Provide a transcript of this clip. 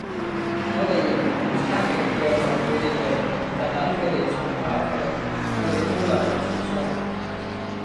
我哋亦唔好叉隻腳落佢哋度，就等佢哋嘈飽佢，我哋中立就算數